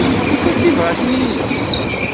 Tufiḍ tibṛatin-inem?